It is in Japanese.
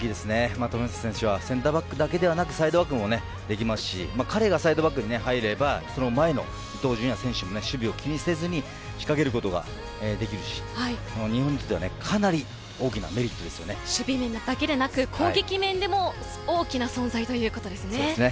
冨安選手はセンターバックだけでなくサイドバックもできますし彼がサイドバックに入ればその前の伊東純也選手も守備を気にせずに仕掛けることができるし日本にとっては守備だけでなく攻撃面でも大きな存在ということですね。